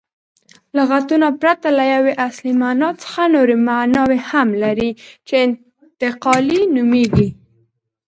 لغتونه پرته له یوې اصلي مانا څخه نوري ماناوي هم لري، چي انتقالي نومیږي.